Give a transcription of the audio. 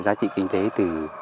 giá trị kinh tế từ